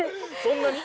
そんなに？